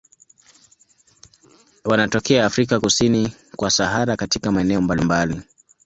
Wanatokea Afrika kusini kwa Sahara katika maeneo mbalimbali.